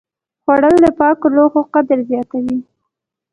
خوړل د پاکو لوښو قدر زیاتوي